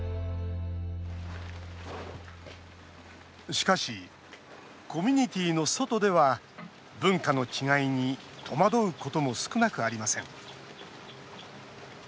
しかし、コミュニティーの外では文化の違いに戸惑うことも少なくありません。